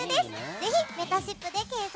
ぜひ、めたしっぷで検索